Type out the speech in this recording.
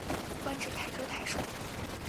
官至泰州太守。